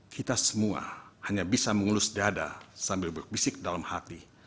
kita semua hanya bisa mengelus dada sambil berbisik dalam hati